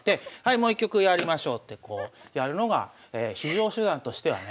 もう一局やりましょうってこうやるのが非常手段としてはね。